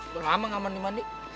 udah lama gak mandi mandi